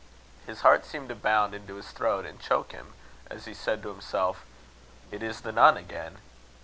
His heart seemed to bound into his throat and choke him, as he said to himself: "It is the nun again!"